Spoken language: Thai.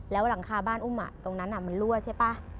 แล้วหลังคาบ้านอุ้มตรงนั้นมันรั่วใช่ป่ะ